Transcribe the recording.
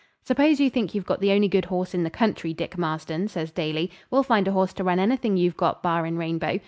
'Suppose you think you've got the only good horse in the country, Dick Marston,' says Daly. 'We'll find a horse to run anything you've got, barrin' Rainbow.